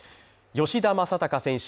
吉田正尚選手